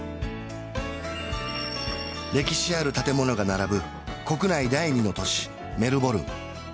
歴史ある建物が並ぶ国内第２の都市メルボルン